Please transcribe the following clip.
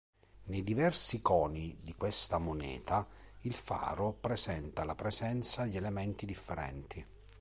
Nei diversi conii di questa moneta il faro presenta la presenza di elementi differenti.